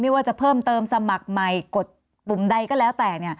ว่าจะเพิ่มเติมสมัครใหม่กดปุ่มใดก็แล้วแต่